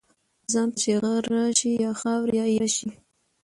ځان ته چی غره شی ، یا خاوري یا ايره شی .